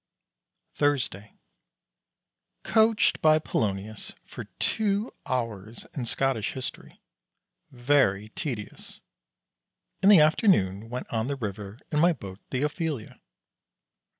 Thursday. Coached by Polonius for two hours in Scottish history. Very tedious. In the afternoon went on the river in my boat the "Ophelia."